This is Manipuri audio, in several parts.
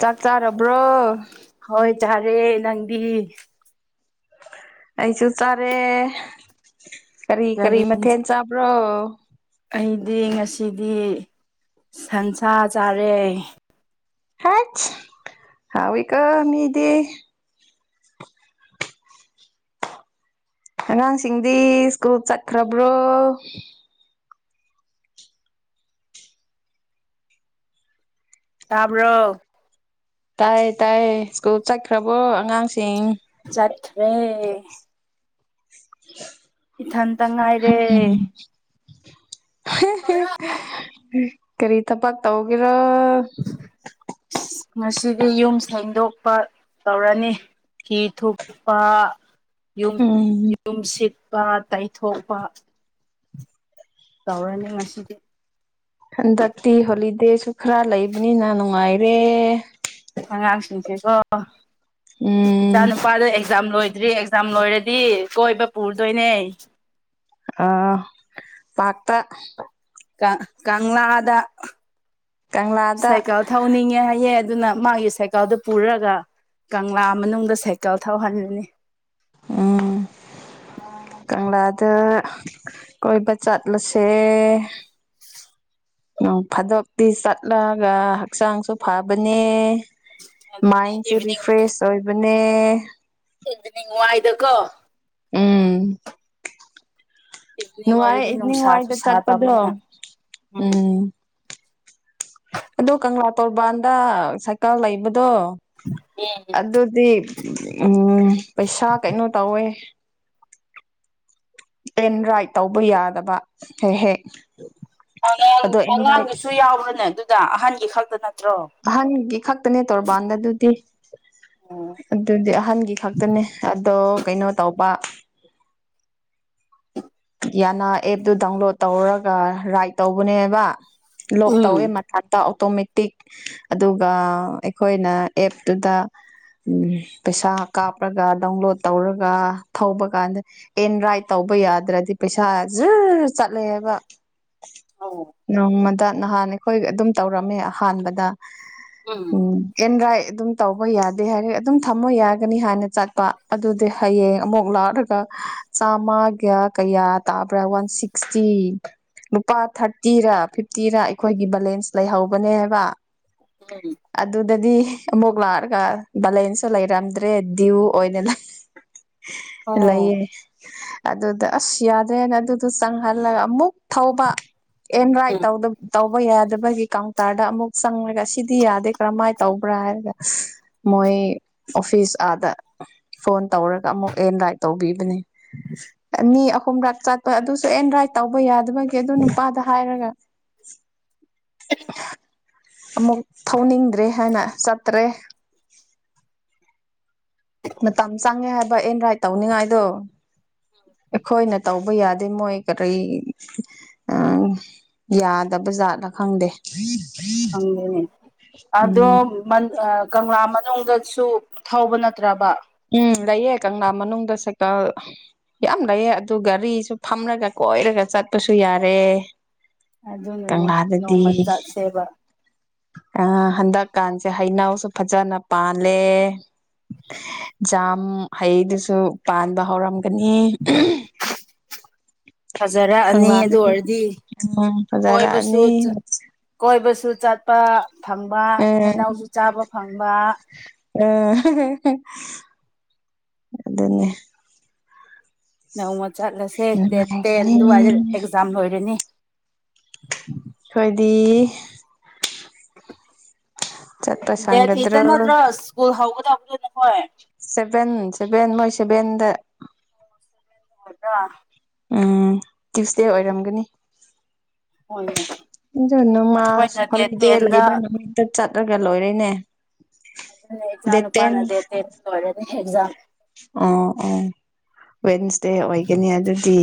ꯆꯥꯛ ꯆꯥꯔꯕ꯭ꯔꯣ ꯍꯣꯏ ꯆꯥꯔꯦ ꯅꯪꯗꯤ ꯑꯩꯁꯨ ꯆꯥꯔꯦ ꯀꯔꯤ ꯀꯔꯤ ꯃꯊꯦꯜ ꯆꯥꯕ꯭ꯔꯣ ꯑꯩꯗꯤ ꯉꯁꯤꯗꯤ ꯁꯟꯁꯥ ꯆꯥꯔꯦ ꯍꯦꯆ ꯍꯥꯎꯋꯤꯒꯣ ꯃꯥꯗꯤ ꯑꯉꯥꯡꯁꯤꯡꯗꯤ ꯁ꯭ꯀꯨꯜ ꯆꯠꯈ꯭ꯔꯕ꯭ꯔꯣ ꯇꯥꯕ꯭ꯔꯣ ꯇꯥꯏ ꯇꯥꯏ ꯁ꯭ꯀꯨꯜ ꯆꯠꯈ꯭ꯔꯕꯣ ꯑꯉꯥꯡꯁꯤꯡ ꯆꯠꯈ꯭ꯔꯦ ꯏꯊꯟꯇ ꯉꯥꯏꯔꯦ ꯍꯝ [inaudible] [unintelligible] ꯀꯔꯤ ꯊꯕꯛ ꯇꯧꯒꯦꯔꯥ ꯉꯁꯤꯗꯤ ꯌꯨꯝ ꯁꯦꯡꯗꯣꯛꯄ ꯇꯧꯔꯅꯤ ꯐꯤ ꯊꯨꯞꯄ ꯌꯨꯝ ꯎꯝ ꯌꯨꯝ ꯁꯤꯠꯄ ꯇꯩꯊꯣꯛꯄ ꯇꯧꯔꯅꯤ ꯉꯁꯤꯗꯤ ꯍꯟꯗꯛꯇꯤ ꯍꯣꯂꯤꯗꯦꯁꯨ ꯈꯔ ꯂꯩꯕꯅꯤꯅ ꯅꯨꯡꯉꯥꯏꯔꯦ ꯑꯉꯥꯡꯁꯤꯡꯁꯤꯀꯣ ꯎꯝ ꯏꯆꯥ ꯅꯨꯄꯥꯗꯣ ꯑꯦꯛꯖꯥꯝ ꯂꯣꯏꯗ꯭ꯔꯤ ꯑꯦꯛꯖꯥꯝ ꯂꯣꯏꯔꯗꯤ ꯀꯣꯏꯕ ꯄꯨꯔꯗꯣꯏꯅꯦ ꯑꯥ ꯄꯥꯛꯇ ꯀ ꯀꯥꯡ ꯀꯪꯂꯥ ꯀꯪꯂꯥ ꯗ ꯀꯪꯂꯥꯗ ꯁꯥꯏꯀꯦꯜ ꯊꯧꯅꯤꯡꯉꯦ ꯍꯥꯏꯌꯦ ꯑꯗꯨꯅ ꯃꯥꯒꯤ ꯁꯥꯏꯀꯜꯗꯣ ꯄꯨꯔꯒ ꯀꯪꯂꯥ ꯃꯅꯨꯡꯗ ꯁꯥꯏꯀꯜ ꯊꯧꯍꯜꯂꯅꯤ ꯎꯝ ꯀꯪꯂꯥꯗ ꯀꯣꯏꯕ ꯆꯠꯂꯁꯦ ꯎꯝ ꯅꯣꯡ ꯐꯥꯗꯣꯛꯇꯤ ꯆꯠꯂꯒ ꯍꯛꯆꯥꯡꯁꯨ ꯐꯕꯅꯦ ꯑꯗꯨꯅꯦ ꯃꯥꯏꯟꯁꯦ ꯏꯚꯤꯅꯤꯡ ꯔꯤꯐ꯭ꯔꯦꯁ ꯑꯣꯏꯕꯅꯦ ꯅꯤꯡ [unintelligible] ꯋꯥꯏꯗꯀꯣ ꯎꯝ ꯏꯚꯤꯅꯤꯡ ꯅꯨꯡꯉꯥꯏ ꯑꯣꯏꯔꯗꯤ ꯅꯨꯡꯁꯥꯁꯨ ꯏꯕꯤꯅꯤꯡꯋꯥꯢꯗ ꯆꯠꯄꯗꯣ ꯁꯥꯗꯕꯅꯤꯅ ꯎꯝ ꯑꯗꯣ ꯀꯪꯂꯥ ꯇꯣꯔꯕꯥꯟꯗ ꯁꯥꯏꯀꯜ ꯂꯩꯕꯗꯣ ꯎꯝ ꯑꯗꯨꯗꯤ ꯎꯝ ꯄꯩꯁꯥ ꯀꯩꯅꯣ ꯇꯧꯋꯦ ꯄ꯭ꯂꯦꯟ ꯔꯥꯏꯠ ꯇꯧꯕ ꯌꯥꯗꯕ ꯍꯦꯛ ꯍꯦꯛ ꯑꯉꯥꯡ ꯑꯗꯣ ꯑꯦꯟ ꯔꯥꯏꯠ ꯑꯉꯥꯡꯗꯨꯁꯨ ꯌꯥꯎꯕ꯭ꯔꯅꯦ ꯑꯗꯨꯗ ꯑꯍꯟꯒꯤ ꯈꯛꯇ ꯅꯠꯇ꯭ꯔꯣ ꯑꯍꯟꯒꯤ ꯈꯛꯇꯅꯦ ꯇꯧꯕꯥꯥꯟꯗ ꯑꯗꯨꯗꯤ ꯑꯗꯨꯗꯤ ꯑꯍꯟꯒꯤ ꯈꯛꯇꯅꯦ ꯑꯗꯣ ꯀꯩꯅꯣ ꯇꯧꯕ ꯌꯥꯅ ꯑꯦꯞꯇꯨ ꯗꯥꯎꯟꯂꯣꯗ ꯇꯧꯔꯒ ꯔꯥꯏꯠ ꯇꯧꯕꯅꯦꯕ ꯂꯣꯛ ꯎꯝ ꯇꯧꯋꯦ ꯑꯝꯇ ꯑꯣꯇꯣꯃꯦꯇꯤꯛ ꯑꯗꯨꯒ ꯑꯩꯈꯣꯏꯅ ꯑꯦꯞꯇꯨꯗ ꯄꯩꯁꯥ ꯀꯥꯞꯔꯒ ꯗꯥꯎꯟꯂꯣꯗ ꯇꯧꯔꯒ ꯊꯧꯕ ꯀꯥꯟꯗ ꯑꯦꯟ ꯔꯥꯏꯠ ꯇꯧꯕ ꯌꯥꯗ꯭ꯔꯗꯤ ꯄꯩꯁꯥ ꯖꯔ ꯆꯠꯂꯦ ꯍꯥꯏꯕ ꯑꯣ ꯅꯣꯡꯃꯗ ꯅꯍꯥꯟ ꯑꯩꯈꯣꯏ ꯑꯗꯨꯝ ꯇꯧꯔꯝꯃꯦ ꯑꯍꯥꯟꯕꯗ ꯎꯝ ꯑꯦꯟꯗ꯭ꯔꯥꯏ ꯑꯗꯨꯝ ꯇꯧꯕ ꯌꯥꯗꯦ ꯍꯥꯏꯔ ꯑꯗꯨꯝ ꯊꯝꯃ ꯌꯥꯒꯅꯤ ꯍꯥꯏꯅ ꯆꯠꯄ ꯑꯗꯨꯗꯤ ꯍꯌꯦꯡ ꯑꯃꯨꯛ ꯂꯥꯛꯑꯣ ꯆꯥꯝꯃꯒ ꯀꯌꯥ ꯇꯥꯕ꯭ꯔꯥ ꯋꯥꯟ ꯁꯤꯛꯁꯇꯤ ꯂꯨꯄꯥ ꯊꯥꯔꯇꯤꯔꯥ ꯐꯤꯐꯇꯤꯔ ꯑꯩꯈꯣꯏꯒꯤ ꯕꯦꯂꯦꯟꯁ ꯂꯩꯍꯧꯕꯅꯦꯕ ꯎꯝ ꯑꯗꯨꯗꯗꯤ ꯑꯃꯨꯛ ꯂꯥꯛꯑꯒ ꯕꯦꯂꯦꯟꯁꯁꯨ ꯂꯩꯔꯝꯗ꯭ꯔꯦ ꯗ꯭ꯌꯨ ꯑꯣꯏꯅ ꯑꯣ ꯂꯩꯑꯦ ꯑꯗꯨꯗ ꯑꯁ ꯌꯥꯗꯦꯅ ꯑꯗꯨꯗꯣ ꯆꯪꯍꯜꯂꯒ ꯑꯃꯨꯛ ꯊꯧꯕ ꯑꯦꯟ ꯔꯥꯏꯠ ꯎꯝ ꯇꯧꯗꯕ ꯇꯧꯕ ꯌꯥꯗꯕꯒꯤ ꯀꯥꯎꯟꯇꯔꯗ ꯑꯃꯨꯛ ꯆꯪꯉꯒ ꯑꯁꯤꯗꯤ ꯌꯥꯗꯦ ꯀꯔꯝꯃꯥꯏꯅ ꯇꯧꯕ꯭ꯔ ꯍꯥꯏꯔꯒ ꯃꯣꯏ ꯑꯣꯐꯤꯁ ꯑꯥꯗ ꯐꯣꯟ ꯇꯧꯔꯒ ꯑꯃꯨꯛ ꯑꯦꯟ ꯔꯥꯏꯠ ꯇꯧꯕꯤꯕꯅꯦ꯫ ꯎꯝ ꯑꯅꯤ ꯑꯍꯨꯝꯔꯛ ꯆꯥꯠꯄ ꯑꯗꯨꯁꯨ ꯑꯦꯟ ꯔꯥꯏꯠ ꯇꯧꯕ ꯌꯥꯗꯕꯒꯤ ꯑꯗꯨ ꯅꯨꯄꯥꯗ ꯍꯥꯏꯔꯒ ꯑꯃꯨꯛ ꯊꯧꯅꯤꯡꯗ꯭ꯔꯦ ꯍꯥꯏꯅ ꯆꯠꯇ꯭ꯔꯦ꯫ ꯃꯇꯝ ꯆꯪꯉꯦ ꯍꯥꯏꯕ ꯑꯦꯟ ꯔꯥꯏꯠ ꯇꯧꯅꯤꯡꯉꯥꯏꯗꯣ ꯑꯩꯈꯣꯏꯅ ꯇꯧꯕ ꯌꯥꯗꯦ ꯃꯣꯏ ꯀꯔꯤ ꯎꯝ ꯌꯥꯗꯕꯖꯥꯠꯅ ꯈꯪꯗꯦ ꯑꯣ ꯃꯟ ꯑ ꯀꯪꯂꯥ ꯃꯅꯨꯡꯗꯁꯨ ꯊꯧꯕ ꯅꯠꯇ꯭ꯔꯕ꯫ ꯎꯝ ꯂꯩꯌꯦ ꯀꯪꯂꯥ ꯃꯅꯨꯡꯗ ꯁꯥꯏꯀꯜ ꯌꯥꯝ ꯂꯩꯑꯦ ꯑꯗꯨ ꯒꯥꯔꯤꯁꯨ ꯐꯝꯔꯒ ꯀꯣꯏꯔꯒ ꯆꯠꯄꯁꯨ ꯌꯥꯔꯦ꯫ ꯑꯗꯨꯅꯅꯦ ꯀꯪꯂꯥꯗꯗꯤ ꯅꯣꯡꯃ ꯆꯥꯛꯁꯦꯕ꯫ ꯑ ꯍꯟꯗꯛꯀꯥꯟꯁꯦ ꯍꯩꯅꯧꯁꯨ ꯐꯖꯅ ꯄꯥꯜꯂꯦ꯫ ꯖꯥꯝ ꯍꯩꯗꯨꯁꯨ ꯄꯥꯟꯕ ꯍꯧꯔꯝꯒꯅꯤ꯫ [inaudible] ꯐꯖꯔꯛꯑꯅꯤ ꯑꯗꯨ ꯀꯪꯂꯥꯗꯗꯤ ꯑꯣꯏꯔꯗꯤ ꯎꯝ ꯀꯣꯏꯕꯁꯨ ꯐꯖꯔꯛꯑꯅꯤ ꯆꯠ ꯀꯣꯏꯕꯁꯨ ꯆꯠꯄ ꯐꯪꯕ ꯑ ꯍꯩꯩꯅꯧꯁꯨ ꯆꯥꯕ ꯐꯪꯕ꯫ ꯑ ꯑꯗꯨꯅꯦ ꯅꯣꯡꯃ ꯆꯠꯂꯁꯦ ꯗꯦꯠ ꯇꯦꯟ ꯑꯗꯨꯋꯥꯏꯗ ꯅꯨꯡꯉꯥꯏꯒꯅꯤ ꯑꯦꯛꯖꯥꯝ ꯂꯣꯏꯔꯅꯤ꯫ ꯑꯩꯈꯣꯏꯗꯤ ꯆꯠꯄ ꯗꯦꯗꯤꯗ ꯁꯪꯒꯗ꯭ꯔꯣ ꯅꯠꯇ꯭ꯔꯣ ꯁ꯭ꯀꯨꯜ ꯍꯧꯒꯗꯕꯗꯣ ꯅꯈꯣꯏ ꯁꯕꯦꯟ ꯁꯕꯦꯟ ꯃꯣꯏ ꯁꯕꯦꯟꯗ꯫ [unintelligible] ꯎꯝ ꯇ꯭ꯌꯨꯁꯗꯦ ꯑꯣꯏꯔꯝꯒꯅꯤ꯫ ꯍꯣꯏꯅꯦ ꯑꯗꯨ ꯅꯃꯥꯁ ꯑꯩꯈꯣꯏꯅ ꯗꯦꯠ ꯍꯣꯂꯤꯗꯦ ꯇꯦꯟꯗ ꯂꯩꯕꯥ ꯅꯨꯃꯤꯠꯇ ꯆꯠꯂꯒ ꯂꯣꯏꯔꯦꯅꯦ꯫ ꯗꯦꯠ ꯏꯆꯥꯅꯨꯄꯥ ꯇꯦꯟ ꯗꯦꯠꯇꯦ ꯂꯣꯏꯂꯅꯤ ꯑꯦꯛꯖꯥꯝ ꯑꯣ ꯑꯣ ꯋꯦꯟꯁꯗꯦ ꯑꯣꯏꯒꯅꯤ ꯑꯗꯨꯗꯤ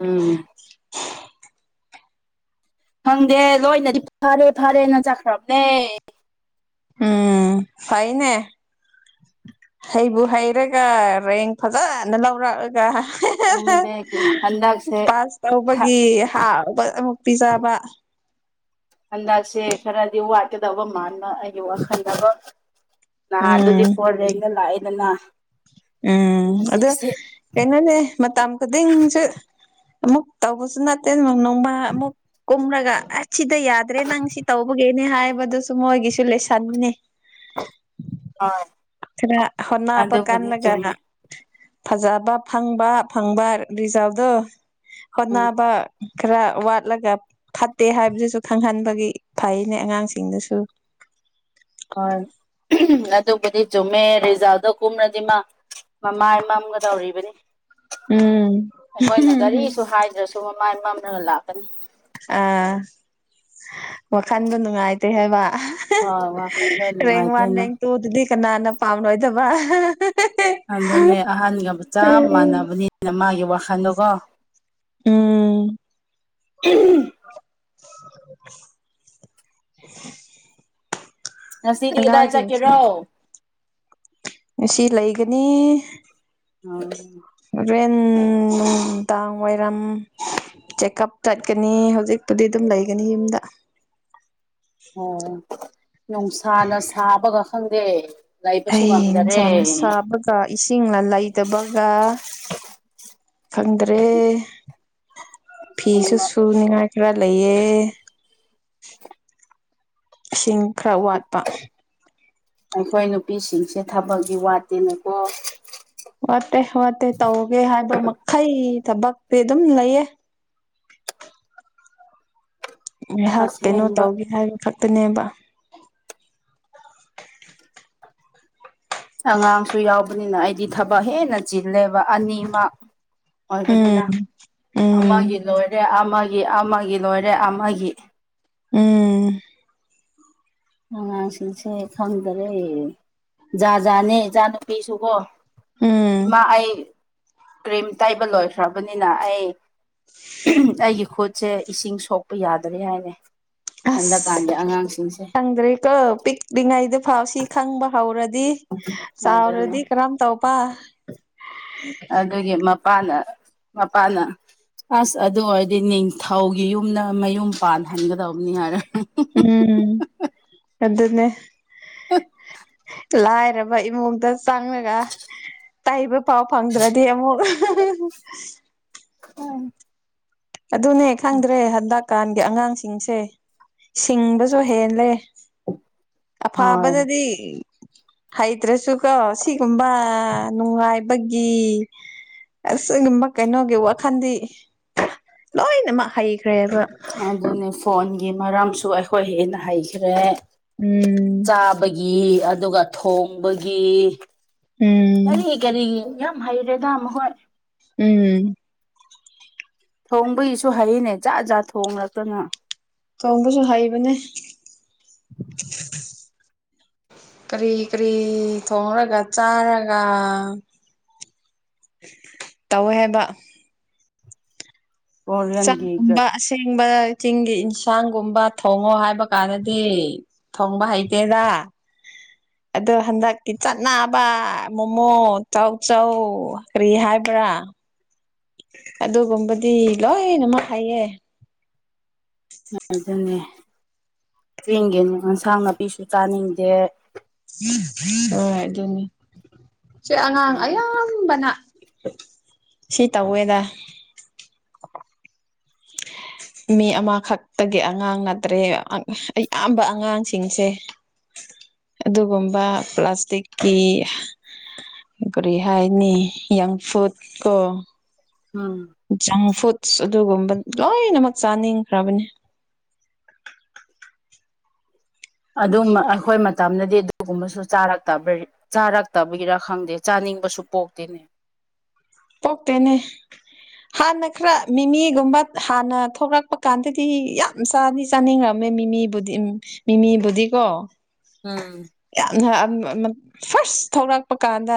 ꯎꯝ ꯈꯪꯗꯦ ꯂꯣꯏꯅꯗꯤ ꯐꯔꯦ ꯐꯔꯦꯅ ꯆꯠꯈ꯭ꯔꯕꯅꯦ꯫ ꯎꯝ ꯐꯩꯅꯦ ꯍꯩꯕꯨ ꯍꯩꯔꯒ ꯔꯦꯡ ꯐꯖꯅ ꯂꯧꯔꯛꯑꯒ ꯈꯪꯗꯦ ꯍꯟꯗꯛꯁꯦ ꯄꯥꯁ ꯊ ꯇꯧꯕꯒꯤ ꯍꯔꯕ ꯑꯃꯨꯛ ꯄꯤꯖꯕ ꯍꯟꯗꯛꯁꯦ ꯈꯔꯗꯤ ꯋꯥꯠꯀꯗꯕ ꯃꯥꯅ ꯑꯩꯒꯤ ꯋꯥꯈꯟꯗꯕ꯫ ꯅꯍꯥꯟ ꯑꯗꯨꯗꯤ ꯎꯝ ꯐꯣꯟꯔꯦꯅ ꯂꯥꯛꯑꯦꯗꯅ ꯎꯝ ꯑꯗꯨ ꯍꯧꯖꯤꯛꯁꯦ ꯀꯩꯅꯣꯅꯦ ꯃꯇꯝ ꯈꯨꯗꯤꯡꯁꯨ ꯑꯃꯨꯛ ꯇꯧꯕꯁꯨ ꯅꯠꯇꯦ ꯃꯥ ꯑꯃꯨꯛ ꯀꯨꯝꯔꯒ ꯑꯁ ꯁꯤꯗ ꯌꯥꯗ꯭ꯔꯦ ꯅꯪ ꯁꯤ ꯇꯧꯕꯒꯤ ꯅꯦ ꯍꯥꯏꯕꯗꯨꯁꯨ ꯃꯣꯏꯒꯤꯁꯨ ꯂꯩꯁꯟꯃꯤꯅꯦ꯫ ꯍꯣꯏ ꯁꯤꯗ ꯍꯣꯠꯅꯕ ꯍꯟꯅꯕ ꯑꯗꯨꯕꯨꯗꯤ ꯀꯟꯂꯒꯅ ꯆꯨꯝꯃꯦ ꯐꯖꯕ ꯐꯪꯕ ꯐꯪꯕ ꯔꯤꯖꯥꯗꯣ ꯎꯝ ꯍꯣꯠꯅꯕ ꯈꯔ ꯋꯥꯠꯂꯒ ꯐꯠꯇꯦ ꯍꯥꯏꯕꯗꯨꯁꯨ ꯈꯪꯍꯟꯕꯒꯤ ꯐꯩꯅꯦ ꯑꯉꯥꯡꯁꯤꯡꯗꯨꯁꯨ ꯍꯣꯏ ꯑꯗꯨꯕꯨꯗꯤ ꯆꯨꯝꯃꯦ ꯔꯤꯖꯥꯜꯗ ꯀꯨꯝ꯭ꯔꯗꯤ ꯃꯥ ꯃꯃꯥꯏ ꯃꯝꯒ ꯇꯧꯔꯤꯕꯅꯤ ꯎꯝ ꯑꯩꯈꯣꯏꯅ ꯀꯔꯤꯁꯨ ꯍꯥꯏꯗ꯭ꯔꯁꯨ ꯃꯃꯥꯏ ꯃꯝꯂꯒ ꯂꯥꯛꯀꯅꯤ ꯑꯥ ꯋꯥꯈꯜꯗꯣ ꯅꯨꯡꯉꯥꯏꯇꯦ ꯍꯥꯏꯕ ꯍꯥꯎ ꯋꯥꯈꯜꯗ ꯔꯦꯡ ꯋꯥꯟ ꯅꯨꯉꯥꯏꯇꯦꯅ ꯔꯦꯡ ꯇꯨꯗꯨꯗꯤ ꯀꯅꯥꯅ ꯄꯥꯝꯅꯣꯏꯗꯕ ꯑꯗꯨꯅꯦ ꯑꯍꯟꯒꯕꯨ ꯆꯞ ꯃꯥꯟꯅꯕꯅꯤ ꯃꯥꯒꯤ ꯋꯥꯈꯜꯗꯣꯀꯣ ꯎꯝ [unintelligible] [inaudible] ꯉꯁꯤꯗꯤ ꯀꯗꯥꯏ ꯑꯉꯥꯡꯁꯤꯡꯁꯨ ꯆꯠꯀꯦꯔꯣ ꯉꯁꯤ ꯂꯩꯒꯅꯤ [inaudible] ꯔꯦꯟ ꯅꯨꯡꯗꯥꯡ ꯋꯥꯏꯔꯝ ꯆꯦꯛꯑꯞ ꯆꯠꯀꯅꯤ ꯍꯧꯖꯤꯛꯄꯨꯗꯤ ꯑꯗꯨꯝ ꯂꯩꯒꯅꯤ ꯌꯨꯝꯗ ꯑꯣ ꯅꯨꯡꯁꯥꯅ ꯁꯥꯕꯒ ꯈꯪꯗꯦ ꯂꯩꯕꯁꯨ ꯑꯩ ꯉꯝꯗꯔꯦ ꯅꯨꯡꯁꯥꯅ ꯁꯥꯕ ꯀ ꯏꯁꯤꯡꯅ ꯂꯩꯇꯕꯒ ꯈꯪꯗ꯭ꯔꯦ ꯐꯤꯁꯨ ꯑꯁꯦꯡꯕ ꯁꯨꯅꯤꯡꯉꯥꯏ ꯈꯔ ꯂꯩꯑꯦ ꯏꯁꯤꯡ ꯈꯔ ꯋꯥꯠꯄ ꯑꯩꯈꯣꯏ ꯅꯨꯄꯤꯁꯤꯡꯁꯦ ꯊꯕꯛꯗꯤ ꯋꯥꯠꯇꯦꯅꯦꯀꯣ ꯋꯥꯠꯇꯦ ꯋꯥꯠꯇꯦ ꯇꯧꯒꯦ ꯍꯥꯏꯕ ꯃꯈꯩ ꯊꯕꯛꯇꯤ ꯑꯗꯨꯝ ꯂꯩꯌꯦ ꯉꯥꯏꯍꯥꯛ ꯀꯩꯅꯣ ꯑꯁꯦꯡꯕ ꯇꯧꯒꯦ ꯍꯥꯏꯕ ꯈꯛꯇꯅꯦꯕ ꯑꯉꯥꯡꯁꯨ ꯌꯥꯎꯕꯅꯤꯅ ꯑꯩꯗꯤ ꯊꯕꯛ ꯍꯦꯟꯅ ꯆꯤꯜꯂꯦꯕ ꯑꯅꯤꯃꯛ ꯑꯣꯏꯕꯅꯤꯅ ꯎꯝ ꯎꯝ ꯑꯃꯒꯤ ꯂꯣꯏꯔꯦ ꯑꯃꯒꯤ ꯑꯃꯒꯤ ꯂꯣꯏꯔꯦ ꯑꯃꯒꯤ ꯎꯝ ꯑꯉꯥꯡꯁꯤꯡꯁꯦ ꯈꯪꯗꯔꯦ ꯖꯥꯖꯥꯠꯅꯦ ꯏꯆꯥ ꯅꯨꯨꯄꯤꯁꯨꯀꯣ ꯎꯝ ꯏꯃꯥ ꯑꯩ ꯀ꯭ꯔꯤꯝ ꯇꯩꯕ ꯂꯣꯏꯈ꯭ꯔꯕꯅꯤꯅ ꯑꯩ ꯑꯩꯒꯤ ꯈꯨꯠꯁꯦ ꯏꯁꯤꯡ ꯁꯣꯛꯄ ꯌꯥꯗ꯭ꯔꯦ ꯍꯥꯏꯔꯦ ꯑꯁ ꯈꯪꯗ꯭ꯔꯦꯀꯣ ꯄꯤꯛꯂꯤꯉꯩꯗ ꯐꯥꯎ ꯁꯤ ꯈꯪꯕ ꯍꯧꯔꯗꯤ ꯆꯥꯎꯔꯗꯤ ꯑꯗꯨꯅꯦ ꯀꯔꯝ ꯇꯧ ꯄ ꯑꯗꯨꯒꯤ ꯃꯞ ꯄꯥꯅ ꯃꯄꯥꯅ ꯑꯁ ꯑꯗꯨ ꯑꯣꯏꯔꯗꯤ ꯅꯤꯡꯊꯧꯒꯤ ꯌꯨꯝꯅ ꯃꯌꯨꯝ ꯄꯥꯜꯍꯟꯒꯗꯧꯕꯅꯤ ꯍꯥꯏꯔ ꯎꯝ ꯑꯗꯨꯅꯦ ꯍ [inaudible] ꯂꯥꯏꯔꯕ ꯏꯃꯨꯡꯗ ꯆꯪꯂꯒ ꯇꯩꯕ ꯐꯥꯎ ꯐꯪꯗ꯭ꯔꯗꯤ ꯑꯃꯨꯛ ꯎꯝ ꯑꯗꯨꯅꯦ ꯈꯪꯗ꯭ꯔꯦ ꯍꯟꯗꯛꯀꯥꯟꯒꯤ ꯑꯉꯥꯡꯁꯤꯡꯁꯦ ꯁꯤꯡꯕꯁꯨ ꯍꯦꯜꯂꯦ ꯍꯣꯏ ꯑꯐꯥꯕꯗꯗꯤ ꯍꯩꯇ꯭ꯔꯁꯨꯀꯣ ꯁꯤꯒꯨꯝꯕ ꯅꯨꯡꯉꯥꯏꯕꯒꯤ ꯑꯁꯤꯒꯨꯝꯕ ꯀꯩꯅꯣꯒꯤ ꯋꯥꯈꯟꯗꯤ ꯂꯣꯏꯅꯃꯛ ꯍꯩꯈ꯭ꯔꯦꯕ ꯑꯗꯨꯅꯦ ꯐꯣꯟꯒꯤ ꯃꯔꯝꯁꯨ ꯑꯩꯈꯣꯏ ꯍꯦꯟꯅ ꯍꯩꯈ꯭ꯔꯦ ꯎꯝ ꯆꯥꯕꯒꯤ ꯑꯗꯨꯒ ꯊꯣꯡꯕꯒꯤ ꯎꯝ ꯀꯔꯤ ꯀꯔꯤ ꯌꯥꯝ ꯍꯩꯔꯦꯗ ꯃꯍꯣꯏ ꯎꯝ ꯊꯣꯡꯕꯒꯤꯁꯨ ꯍꯩꯌꯦꯅꯦ ꯖꯥꯠ ꯖꯥꯠ ꯊꯣꯡꯔꯛꯇꯅ ꯊꯣꯡꯕꯁꯨ ꯍꯩꯕꯅꯦ ꯀ꯭ꯔꯤ ꯀ꯭ꯔꯤ ꯊꯣꯔꯒ ꯆꯥꯔꯒ ꯇꯧꯋꯦ ꯍꯥꯏꯕ ꯀꯣꯔꯤꯌꯟꯒꯤ ꯆꯥꯛꯒꯨꯝꯕ ꯑꯁꯦꯡꯕ ꯆꯤꯡꯒꯤ ꯏꯟꯁꯥꯡꯒꯨꯝꯕ ꯊꯣꯡꯉꯣ ꯍꯥꯏꯕ ꯀꯥꯟꯗꯗꯤ ꯊꯣꯡꯕ ꯍꯩꯇꯦꯗ ꯑꯗꯣ ꯍꯟꯗꯛꯇꯤ ꯆꯠꯅꯕ ꯃꯣꯃꯣ ꯇꯧꯆꯧ ꯀ꯭ꯔꯤ ꯍꯥꯏꯕ꯭ꯔꯥ ꯑꯗꯨꯒꯨꯝꯕꯗꯤ ꯂꯣꯏꯅꯃꯛ ꯍꯩꯌꯦ ꯑꯗꯨꯅꯦ ꯆꯦꯡꯒꯤ ꯌꯦꯟꯁꯥꯡ ꯅꯥꯄꯤꯁꯨ ꯆꯥꯅꯤꯡꯗꯦ ꯍꯣꯏ ꯑꯗꯨꯅꯦ ꯁꯦ ꯑꯉꯥꯡ ꯑꯌꯥꯝꯕꯅ ꯁꯤ ꯇꯧꯋꯦꯗ [inaudible] ꯃꯤ ꯑꯃꯈꯛꯇꯒꯤ ꯑꯉꯥꯡ ꯅꯠꯇ꯭ꯔꯦ ꯑꯌꯥꯝꯕ ꯑꯉꯥꯡꯁꯤꯡꯁꯦ ꯑꯗꯨꯒꯨꯝꯕ ꯄ꯭ꯂꯥꯁꯇꯤꯛꯀꯤ ꯀꯔꯤ ꯍꯥꯏꯅꯤ ꯌꯪ ꯐꯨꯗ ꯀꯣ ꯎꯝ ꯖꯪ ꯐꯨꯗꯁ ꯑꯗꯨꯒꯨꯝꯕ ꯂꯣꯏꯅꯃꯛ ꯆꯥꯅꯤꯡꯈ꯭ꯔꯕꯅꯤ ꯑꯗꯨꯝ ꯑꯩꯈꯣꯏ ꯃꯇꯝꯗꯗꯤ ꯑꯗꯨꯒꯨꯝꯕꯁꯨ ꯆꯥꯔꯛꯇꯕꯩ ꯆꯥꯔꯛꯇꯕꯒꯤꯔꯥ ꯈꯪꯗꯦ ꯆꯥꯅꯤꯡꯕꯁꯨ ꯄꯣꯛꯇꯦꯅꯦ ꯄꯣꯛꯇꯦꯅꯦ ꯍꯥꯟꯅ ꯈꯔ ꯃꯤꯃꯤꯒꯨꯝꯕ ꯍꯥꯟꯅ ꯊꯣꯛꯂꯛꯄ ꯀꯥꯟꯗꯗꯤ ꯌꯥꯝ ꯆꯥꯅꯤ ꯆꯥꯅꯤꯡꯔꯝꯃꯦ ꯃꯤꯃꯤꯕꯨꯗꯤ ꯃꯤꯃꯤꯕꯨꯗꯤꯀꯣ ꯎꯝ ꯌꯥꯝꯅ ꯐꯥꯔꯁ ꯊꯣꯂꯛꯄꯥ ꯀꯥꯟꯗ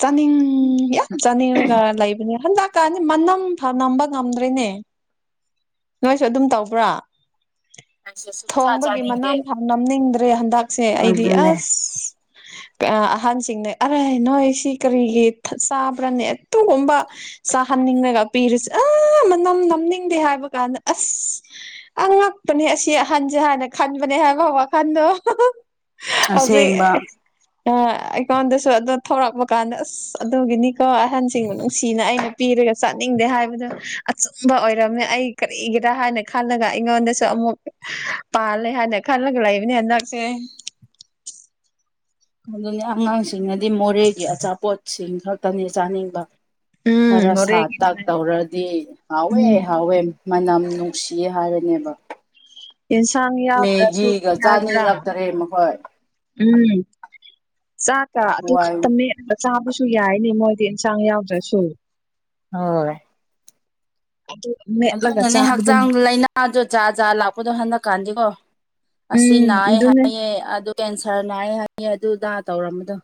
ꯆꯥꯅꯤꯡ ꯌꯥꯝ ꯆꯥꯅꯤꯡꯔꯒ ꯂꯩꯕꯅꯦ ꯍꯟꯗꯛꯀꯥꯟꯗꯤ ꯃꯅꯝꯐꯥꯎ ꯅꯝꯕ ꯉꯝꯗ꯭ꯔꯦꯅꯦ ꯅꯣꯏꯁꯨ ꯑꯗꯨꯝ ꯇꯧꯕ꯭ꯔꯥ ꯑꯩꯁꯨ ꯁꯨꯡꯆꯥ ꯊꯣꯡꯕꯒꯤ ꯆꯥꯅꯤꯡꯗꯦ ꯃꯅꯥꯝꯐꯥꯎ ꯅꯝꯅꯤꯡꯗ꯭ꯔꯦ ꯍꯟꯗꯛꯁꯦ ꯑꯩꯗꯤ ꯑꯗꯨꯅꯦ ꯑꯁ ꯑꯍꯟꯁꯤꯡꯅ ꯑꯔꯦ ꯅꯣꯏ ꯁꯤ ꯀꯔꯤꯒꯤ ꯆꯥꯕ꯭ꯔꯅꯦ ꯑꯗꯨꯒꯨꯝꯕꯥ ꯆꯥꯍꯟꯅꯤꯡꯂꯥꯒ ꯄꯤꯔꯤꯁꯦ ꯑ ꯃꯅꯝ ꯅꯝꯅꯤꯡꯗꯦ ꯍꯥꯏꯕ ꯀꯥꯟꯗ ꯑꯁ ꯑꯉꯥꯛꯄꯅꯦ ꯑꯁꯤ ꯑꯍꯟꯁꯦ ꯍꯥꯏꯅꯥ ꯈꯟꯕꯅꯦ ꯍꯥꯏꯕ ꯋꯥꯈꯟꯗꯣ ꯍꯧꯖꯤꯛ ꯑ ꯑꯁꯦꯡꯕ ꯑꯩꯉꯣꯟꯗꯁꯨ ꯑꯗꯣ ꯊꯧꯔꯛꯄ ꯀꯥꯟꯗ ꯑꯁ ꯑꯗꯨꯒꯤꯅꯤꯀꯣ ꯑꯍꯟꯁꯤꯡꯕꯨ ꯅꯨꯡꯁꯤꯅ ꯑꯩꯅ ꯄꯤꯔꯒ ꯆꯥꯅꯤꯡꯗꯦ ꯍꯥꯏꯕꯗꯣ ꯑꯆꯨꯝꯕ ꯑꯣꯏꯔꯝꯃꯦ ꯑꯩ ꯀꯔꯤꯒꯤꯔꯥ ꯍꯥꯏꯅ ꯈꯜꯂꯒ ꯑꯩꯉꯣꯟꯗꯁꯨ ꯑꯃꯨꯛ ꯄꯥꯜꯂꯦ ꯍꯥꯏꯅ ꯈꯜꯂꯒ ꯂꯩꯕꯅꯤ ꯍꯟꯗꯛꯁꯦ ꯑꯗꯨꯅꯤ ꯑꯉꯥꯡꯁꯤꯡꯅꯗꯤ ꯃꯣꯔꯦꯒꯤ ꯑꯆꯥꯄꯣꯠꯁꯤꯡ ꯈꯛꯇꯅꯤ ꯆꯥꯅꯤꯡꯕ ꯎꯝ ꯈꯔ ꯁꯥ ꯇꯥꯛ ꯃꯣꯔꯦꯒꯤꯗꯨꯅꯦ ꯇꯧꯔꯗꯤ ꯍꯥꯎꯋꯦ ꯎꯝ ꯍꯥꯎꯋꯦ ꯃꯅꯝ ꯅꯨꯡꯁꯤꯌꯦ ꯍꯥꯏꯔꯅꯦꯕ ꯌꯦꯟꯁꯥꯡ ꯌꯥꯎꯗ꯭ꯔꯁꯨ ꯃꯦꯒꯤꯒ ꯀꯔꯤ ꯍꯥꯏꯕ꯭ꯔꯥ ꯆꯥꯅꯤꯡꯉꯛꯇꯥꯔꯦ ꯃꯈꯣꯏ ꯎꯝ ꯆꯥꯛꯀꯥ ꯑꯗꯨ ꯋꯥꯏ ꯈꯛꯇꯃꯦꯠ ꯆꯥꯕꯁꯨ ꯌꯥꯏꯅꯤ ꯃꯣꯏꯗꯤ ꯏꯟꯁꯥꯡ ꯌꯥꯎꯗ꯭ꯔꯁꯨ ꯍꯣꯏ ꯑꯗꯨꯗ [inaudible] ꯑꯗꯨꯅꯅꯦ ꯍꯛꯆꯥꯡ ꯂꯩꯅꯥ ꯥꯗꯣ ꯖꯥꯠ ꯖꯥꯠ ꯂꯥꯛꯄꯗꯣ ꯍꯟꯗꯛꯀꯥꯟꯗꯤꯀꯣ ꯑꯁꯤ ꯎꯝ ꯅꯥꯏꯌꯦ ꯑꯗꯨꯅꯦ ꯍꯥꯏꯌꯦ ꯑꯗꯨ ꯀꯦꯟꯁꯔ ꯅꯥꯏ ꯍꯥꯏꯅ ꯑꯗꯨꯗꯥ ꯇꯧꯔꯝꯕꯗꯣ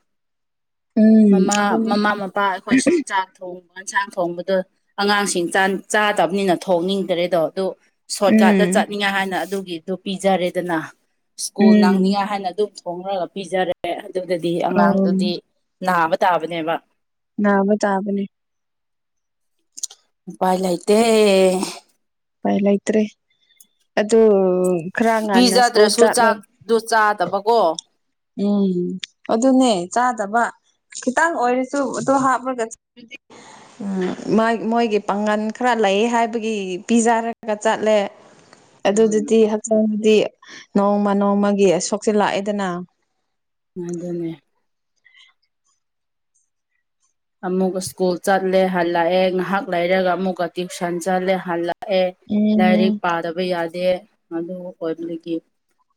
ꯎꯝ ꯃꯃꯥ ꯑꯗꯨꯅꯦ ꯃꯃꯥ ꯃꯄꯥ ꯑꯩꯈꯣꯏꯁꯨ ꯆꯥꯛ ꯊꯣꯡꯉꯤ ꯌꯦꯟꯁꯥꯡ ꯊꯣꯡꯕꯗꯣ ꯑꯉꯥꯡꯁꯤꯡ ꯆꯥꯗꯕꯅꯤꯅ ꯊꯣꯡꯅꯤꯡꯗ꯭ꯔꯦꯗꯣ ꯑꯗꯨ ꯁꯣꯔꯠꯀꯥꯠꯇ ꯎꯝ ꯆꯠꯅꯤꯡꯉꯥꯏ ꯍꯥꯏꯅ ꯑꯗꯨꯒꯤꯗꯨ ꯄꯤꯖꯔꯦꯗꯅ ꯁ꯭ꯀꯨꯜ ꯎꯝ ꯅꯥꯡꯅꯤꯡꯉꯥꯏ ꯍꯥꯏꯅ ꯑꯗꯨꯝ ꯈꯣꯡꯅꯒ ꯄꯤꯖꯔꯦ ꯑꯗꯨꯗꯗꯤ ꯑꯪ ꯑꯉꯥꯡꯗꯨꯗꯤ ꯅꯥꯕ ꯇꯥꯕꯅꯦꯕ ꯅꯥꯕꯥ ꯇꯥꯕꯅꯦ ꯎꯄꯥꯏ ꯂꯩꯥꯇꯦ ꯎꯄꯥꯏ ꯂꯩꯇ꯭ꯔꯦ ꯑꯗꯨ ꯈꯔ ꯉꯥꯟꯟꯅ ꯁ꯭ꯀꯨꯜ ꯆꯠꯂꯒ ꯑꯗꯨ ꯆꯥꯗꯕꯀꯣ ꯎꯝ ꯑꯗꯨꯅꯦ ꯆꯥꯗꯕ ꯈꯤꯇꯪ ꯑꯣꯏꯔꯁꯨ ꯑꯗꯨ ꯍꯥꯞꯂꯒ ꯃꯣꯏꯒꯤ ꯄꯥꯡꯒꯥꯜ ꯈꯔ ꯂꯩꯌꯦ ꯍꯥꯏꯕꯒꯤ ꯄꯤꯖꯔꯥꯒ ꯆꯠꯂꯦ ꯎꯝ ꯑꯗꯨꯗꯨꯗꯤ ꯍꯛꯆꯥꯡꯗꯤ ꯅꯣꯡꯃ ꯅꯣꯡꯃꯒꯤ ꯑꯁꯣꯛ ꯆꯥꯜꯂꯥꯛꯂꯦꯗꯅ ꯑꯗꯨꯅꯦ ꯑꯃꯨꯛꯀꯥ ꯁ꯭ꯀꯨꯜ ꯆꯠꯂꯦ ꯍꯜꯂꯛꯑꯦ ꯉꯥꯏꯍꯥꯛ ꯂꯩꯔꯒ ꯑꯃꯨꯛꯀ ꯇ꯭ꯨꯁꯟ ꯆꯠꯂꯦ ꯍꯜꯂꯛ ꯑꯦ ꯂꯥꯏꯔꯤꯛ ꯎꯝ ꯄꯥꯗꯕ ꯌꯥꯗꯦ ꯑꯗꯨ ꯑꯣꯏꯕꯗꯒꯤ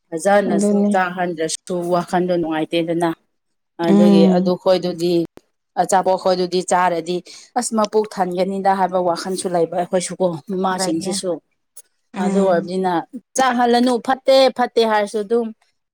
ꯐꯖꯅꯁꯨ ꯑꯗꯨꯅꯤ ꯆꯥꯍꯟꯗ꯭ꯔꯁꯨ ꯋꯥꯈꯟꯗꯣ ꯅꯨꯡꯉꯥꯏꯇꯦꯗꯅ ꯑꯗꯨꯒꯤ ꯑꯗꯨ ꯎꯝ ꯈꯣꯏꯗꯨꯗꯤ ꯑꯆꯥꯄꯣꯠꯇꯣ ꯑꯩꯈꯣꯏꯗꯨꯗꯤ ꯆꯥꯔꯗꯤ ꯑꯁ ꯃꯄꯨꯛ ꯊꯟꯒꯅꯤꯗ ꯍꯥꯏꯕ ꯋꯥꯈꯟꯁꯨ ꯂꯩꯕ ꯑꯩꯈꯣꯏꯁꯨ ꯑꯣ ꯂꯩꯌꯦ ꯃꯃꯥꯁꯤꯡꯁꯤꯁꯨ ꯑꯗꯨ ꯎꯝ ꯑꯣꯏꯔꯕꯅꯤꯅ ꯆꯥꯛꯍꯜꯂꯅꯨ ꯐꯠꯇꯦ ꯐꯠꯇꯦ ꯍꯥꯏꯔꯁꯨ ꯑꯗꯨꯝ